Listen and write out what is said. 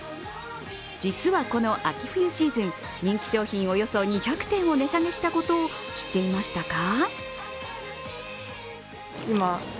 実はこの秋冬シーズン、人気商品およそ２００点を値下げしたことを知っていましたか？